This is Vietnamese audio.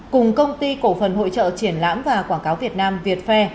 cùng công ty cổ phần hội trợ triển lãm và quảng cáo việt nam việt fair